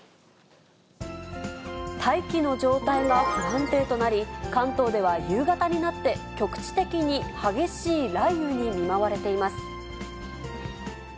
大気の状態が不安定となり、関東では夕方になって局地的に激しい雷雨に見舞われています。